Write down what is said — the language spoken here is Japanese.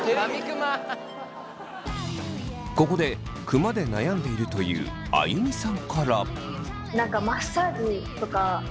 ここでクマで悩んでいるというあゆみさんから。